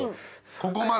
ここまで。